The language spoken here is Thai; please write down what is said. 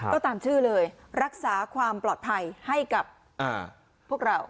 ก็ตามชื่อเลยรักษาความปลอดภัยให้กับพวกเรา